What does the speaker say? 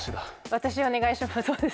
私お願いします。